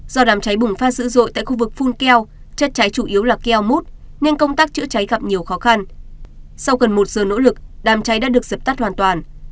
do đám cháy bùng phát dữ dội tại khu vực phun keo chất cháy chủ yếu là keo mút nên công tác chữa cháy gặp nhiều khó khăn sau gần một giờ nỗ lực đám cháy đã được dập tắt hoàn toàn